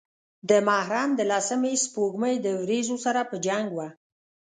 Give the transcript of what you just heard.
د محرم د لسمې سپوږمۍ د وريځو سره پۀ جنګ وه